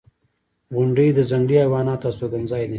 • غونډۍ د ځنګلي حیواناتو استوګنځای دی.